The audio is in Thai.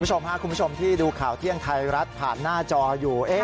คุณผู้ชมค่ะคุณผู้ชมที่ดูข่าวเที่ยงไทยรัฐผ่านหน้าจออยู่